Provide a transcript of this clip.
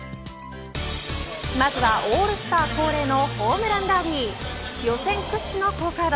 まずはオールスター恒例のホームランダービー予選屈指の好カード。